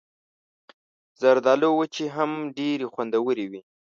زردالو وچې هم ډېرې خوندورې وي.